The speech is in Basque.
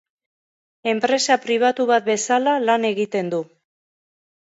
Enpresa pribatu bat bezala lan egiten du.